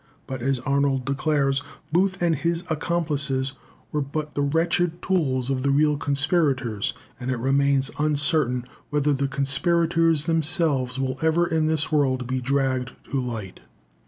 But, as Arnold declares, Booth and his accomplices were but the wretched tools of the real conspirators, and it remains uncertain whether the conspirators themselves will ever in this world be dragged to light.